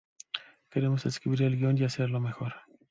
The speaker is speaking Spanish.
Queremos escribir el guión y hacerlo mejor.